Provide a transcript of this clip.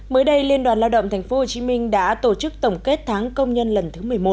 mới đây liên đoàn lao động tp hcm đã tổ chức tổng kết tháng công nhân lần thứ một mươi một